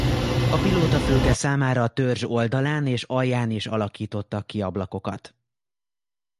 A pilótafülke számára a törzs oldalán és alján is alakítottak ki ablakokat.